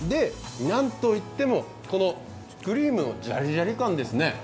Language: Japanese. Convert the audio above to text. なんといっても、クリームのジャリジャリ感ですね。